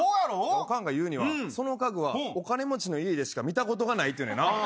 おかんが言うには、その家具はお金持ちの家でしか見たことがないって言うねんな。